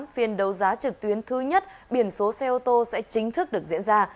phiên đấu giá trực tuyến thứ nhất biển số xe ô tô sẽ chính thức được diễn ra